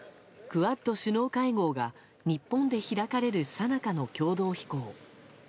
クアッド首脳会合が日本で開かれるさなかの共同飛行。